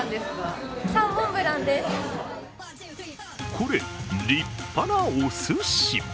これ、立派なおすし。